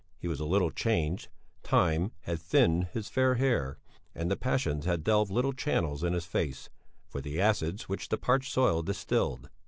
He was a little changed; time had thinned his fair hair, and the passions had delved little channels in his face, for the acids which the parched soil distilled.